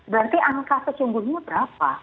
berarti angka sesungguhnya berapa